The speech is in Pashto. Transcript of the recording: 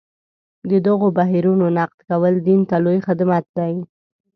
د دغو بهیرونو نقد کول دین ته لوی خدمت دی.